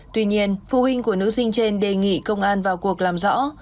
tuy nhiên phụ huynh của nữ sinh trên đề nghị công an vào cuộc làm rõ